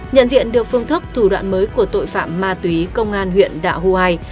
nhận diện được phương thức thủ đoạn mới của tội phạm ma túy công an huyện đạo hù hài